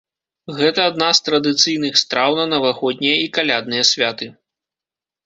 Гэта адна з традыцыйных страў на навагоднія і калядныя святы.